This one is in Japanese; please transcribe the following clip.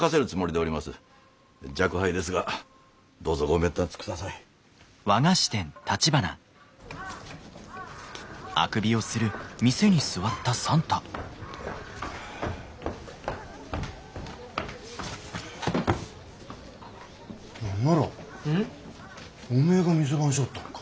おめえが店番しょうったんか。